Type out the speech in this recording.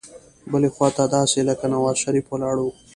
بلې خوا ته داسې لکه نوزا شریف ولاړ وو.